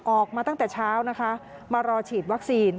ออกมาตั้งแต่เช้านะคะมารอฉีดวัคซีน